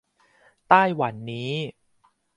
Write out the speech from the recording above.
ไต้หวันนี้